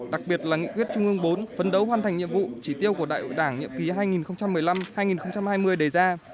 đặc biệt là nghị quyết trung ương bốn phấn đấu hoàn thành nhiệm vụ chỉ tiêu của đại hội đảng nhiệm ký hai nghìn một mươi năm hai nghìn hai mươi đề ra